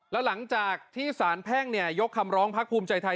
แล้วหลังจากที่สารแพ่งยกคำร้องพักภูมิใจไทย